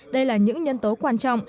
đây là những nhân tố quan trọng